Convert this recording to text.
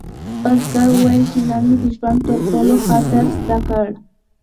بزګر وویل چې نن مې د ژوند تر ټولو ښه درس زده کړ.